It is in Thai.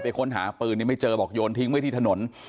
ค้นหาปืนไม่เจอบอกโยนทิ้งไว้ที่ถนน